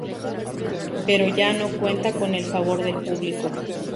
Pero ya no cuenta con el favor del público.